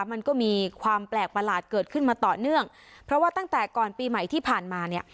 มันก็มีความแปลกประหลาดเกิดขึ้นมาต่อเนื่องเพราะว่าตั้งแต่ก่อนปีใหม่ที่ผ่านมาเนี่ย